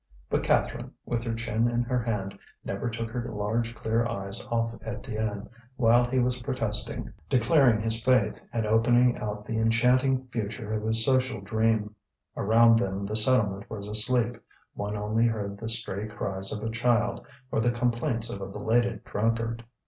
But Catherine, with her chin in her hand, never took her large clear eyes off Étienne while he was protesting, declaring his faith, and opening out the enchanting future of his social dream. Around them the settlement was asleep; one only heard the stray cries of a child or the complaints of a belated drunkard.